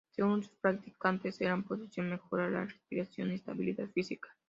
Según sus practicantes, esta posición mejora la respiración y la estabilidad física.